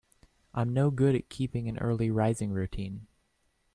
I'm no good at keeping an early rising routine.